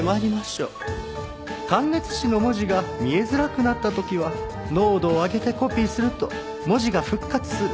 感熱紙の文字が見えづらくなった時は濃度を上げてコピーすると文字が復活する。